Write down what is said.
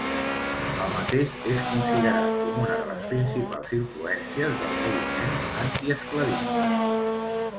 El mateix és considerat com una de les principals influències del moviment antiesclavista.